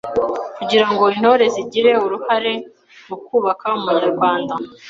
Kugira ngo Intore zigire uruhare mu kubaka Umunyarwanda